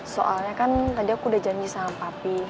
soalnya kan tadi aku udah janji sama papi